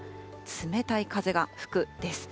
冷たい風が吹くです。